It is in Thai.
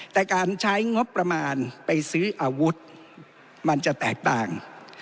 แต่การใช้งบประมาณไปซื้ออาวุธมันจะแตกต่าง